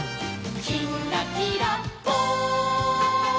「きんらきらぽん」